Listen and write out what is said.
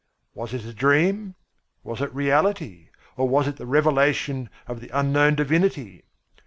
Was it a dream, was it reality, or was it the revelation of the unknown divinity?